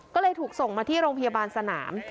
ก็เลยถูกส่งมาที่โรงพยาบาลสนาม